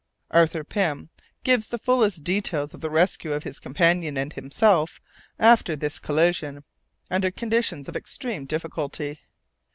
Arthur Pym gives the fullest details of the rescue of his companion and himself after this collision, under conditions of extreme difficulty.